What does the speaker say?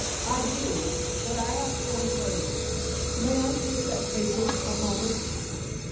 "I do, but I ask one favor. May I take that paper a moment?"